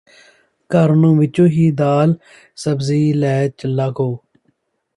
ਘਰ ਨੂੰ ਵਿਚੋਂ ਹੀ ਦਾਲ ਸਬਜੀ ਲੈ ਚੱਲਾਗੇ